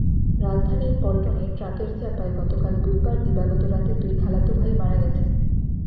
রাজধানীর পল্টনে ট্রাকের চাপায় গতকাল বুধবার দিবাগত রাতে দুই খালাতো ভাই মারা গেছেন।